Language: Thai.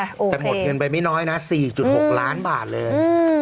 แต่หมดเงินไปไม่น้อยนะ๔๖ล้านบาทเลย